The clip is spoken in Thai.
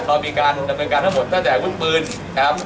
เรามีการดำเนินการทั้งหมดตั้งแต่อาวุธปืนนะครับ